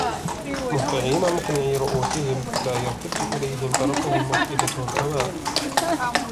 مُهْطِعِينَ مُقْنِعِي رُءُوسِهِمْ لَا يَرْتَدُّ إِلَيْهِمْ طَرْفُهُمْ وَأَفْئِدَتُهُمْ هَوَاءٌ